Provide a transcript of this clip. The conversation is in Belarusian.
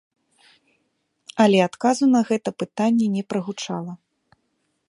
Але адказу на гэта пытанне не прагучала.